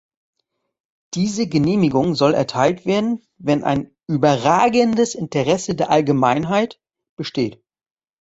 Diese Genehmigung soll erteilt werden, wenn ein "überragendes Interesse der Allgemeinheit" besteht.